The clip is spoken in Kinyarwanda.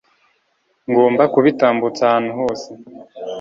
ngomba kubitambutsa ahantu hose